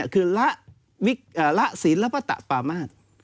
คือละศีลปฏะปรามาท